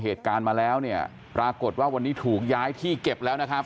เหตุการณ์มาแล้วเนี่ยปรากฏว่าวันนี้ถูกย้ายที่เก็บแล้วนะครับ